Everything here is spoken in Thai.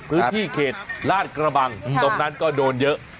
เขตลาดกระบังตรงนั้นก็โดนเยอะ